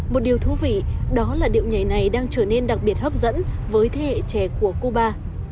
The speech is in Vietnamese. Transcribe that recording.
một điều thú vị đó là điệu nhảy này đang trở nên đặc biệt hấp dẫn với thế hệ trẻ của cuba